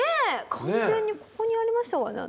完全にここにありましたからね頭。